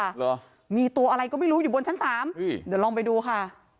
เหรอมีตัวอะไรก็ไม่รู้อยู่บนชั้นสามอุ้ยเดี๋ยวลองไปดูค่ะ